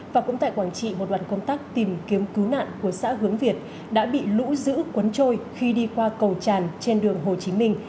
và cũng tại quảng trị một đoàn công tác tìm kiếm cứu nạn của xã hướng việt đã bị lũ giữ quấn trôi khi đi qua cầu tràn trên đường hồ chí minh